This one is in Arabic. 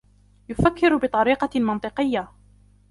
يفكّر بطريقة منطقيّة.